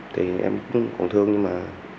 thì em cũng còn thương nhưng mà